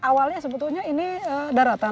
awalnya sebetulnya ini daratan